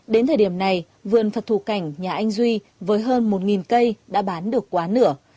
đến thời điểm này vườn phật thủ cảnh nhà anh duy với hơn một cây đã bán được quá nửa